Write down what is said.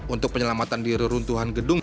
untuk penyelamatan di reruntuhan gedung